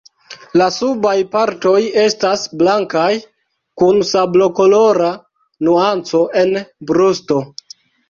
La subaj partoj estas blankaj kun sablokolora nuanco en brusto.